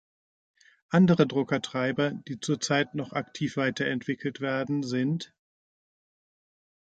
Andere Druckertreiber, die zurzeit noch aktiv weiterentwickelt werden, sind